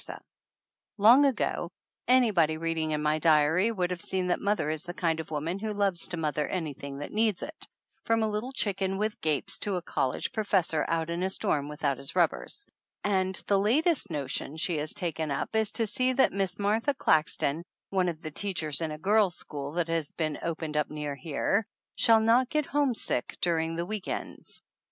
201 THE ANNALS OF ANN Long ago anybody reading in my diary would have seen that mother is the kind of woman who loves to mother anything that needs it, from a little chicken with the gapes to a college pro fessor out in a storm without his rubbers ; and the latest notion she has taken up is to see that Miss Martha Claxton, one of the teachers in a girls' school that has been opened up near here, shall not get homesick during the week ends.